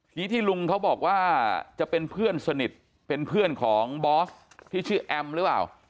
ทีนี้ที่ลุงเขาบอกว่าจะเป็นเพื่อนสนิทเป็นเพื่อนของบอสที่ชื่อแอมหรือเปล่า